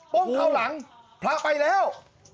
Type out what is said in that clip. ้มเข้าหลังพระไปแล้ว